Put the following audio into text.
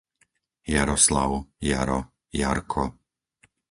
Jaroslav, Jaro, Jarko